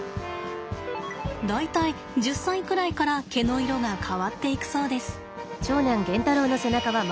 大体１０歳くらいから毛の色が変わっていくそうです。